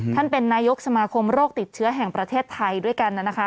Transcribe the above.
ท่านเป็นนายกสมาคมโรคติดเชื้อแห่งประเทศไทยด้วยกันนะคะ